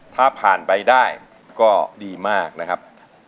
ถ้าผ่านไปได้ก็ดีมากนะครับ